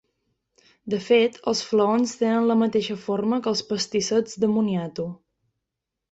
De fet, els flaons tenen la mateixa forma que els pastissets de moniato.